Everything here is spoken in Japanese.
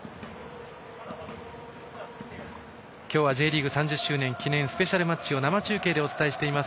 今日はＪリーグ３０周年記念スペシャルマッチを生中継でお伝えしています。